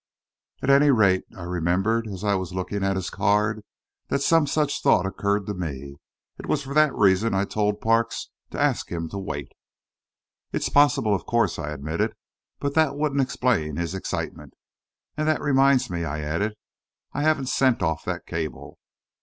"At any rate, I remember, as I was looking at his card, that some such thought occurred to me. It was for that reason I told Parks to ask him to wait." "It's possible, of course," I admitted. "But that wouldn't explain his excitement. And that reminds me," I added, "I haven't sent off that cable."